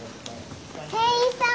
店員さん！